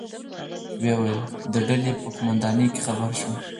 ویې ویل: د ډلې په قومندانۍ کې خبر شوم.